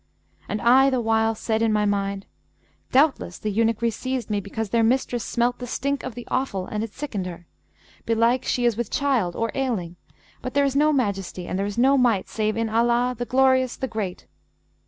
And I the while said in my mind, 'Doubtless the eunuchry seized me, because their mistress smelt the stink of the offal and it sickened her. Belike she is with child or ailing; but there is no Majesty and there is no Might save in Allah, the Glorious, the Great!'